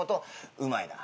「うまいな」